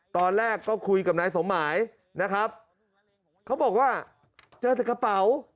ตอนแรกก็คุยกับนายสมหมายนะครับเขาบอกว่าเจอแต่กระเป๋า